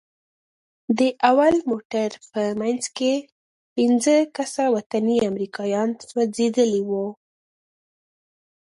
د اول موټر په منځ کښې پينځه کسه وطني امريکايان سوځېدلي وو.